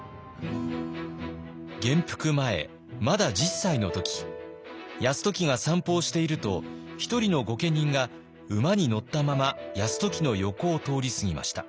元服前まだ１０歳の時泰時が散歩をしていると一人の御家人が馬に乗ったまま泰時の横を通り過ぎました。